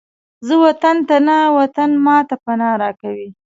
زه وطن ته نه، وطن ماته پناه راکوي